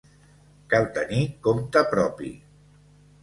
Cal tenir compte propi.